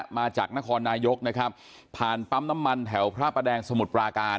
มาจากนครนายกนะครับผ่านปั๊มน้ำมันแถวพระประแดงสมุทรปราการ